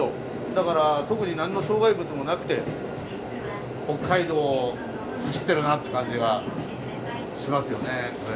だから特に何の障害物もなくて北海道を走ってるなって感じがしますよねこれ。